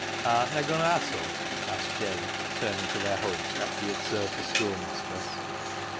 " Art'na goin' to ha' sum' ?" asked Jabe, turning to their host, after he had served the schoolmistress.